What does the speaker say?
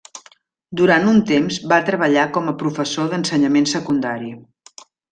Durant un temps va treballar com a professor d'ensenyament secundari.